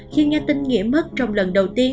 khi nghe tin nghĩa mất trong lần đầu tiên